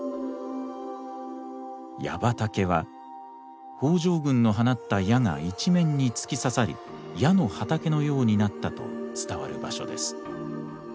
矢畑は北条軍の放った矢が一面に突き刺さり矢の畑のようになったと伝わる場所です。